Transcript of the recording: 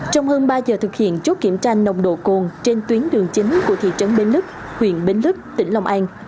trong hơn ba giờ thực hiện chốt kiểm tra nồng độ cồn trên tuyến đường chính của thị trấn bến lức huyện bến lức tỉnh long an